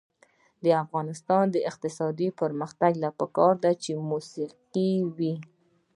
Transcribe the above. د افغانستان د اقتصادي پرمختګ لپاره پکار ده چې موسیقي وي.